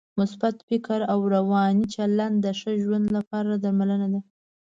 مثبت فکري او روانی چلند د ښه ژوند لپاره درملنه ده.